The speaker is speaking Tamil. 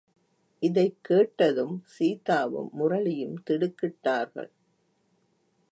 இதைக் கேட்டதும் சீதாவும் முரளியும் திடுக்கிட்டார்கள்.